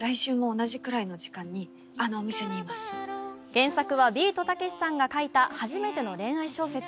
原作はビートたけしさんが書いた初めての恋愛小説。